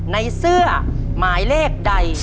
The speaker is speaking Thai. ในเสื้อหมายเลขใด